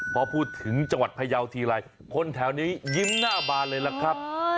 พอพูดถึงจังหวัดพยาวทีไรคนแถวนี้ยิ้มหน้าบานเลยล่ะครับ